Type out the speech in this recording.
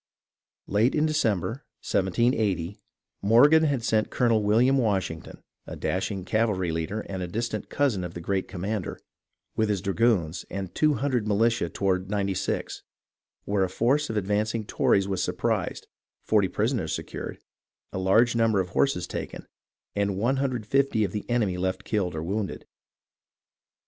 Late in December, 1780, Morgan had sent Colonel William Washington, a dashing cavalry leader and a dis tant cousin of the great commander, with his dragoons and 200 militia toward Ninety Six, where a force of ad vancing Tories was surprised, 40 prisoners secured, a large number of horses taken, and 150 of the enemy left killed or wounded.